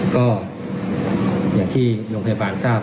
ก็อย่างที่โรงพยาบาลทราบ